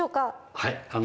はい。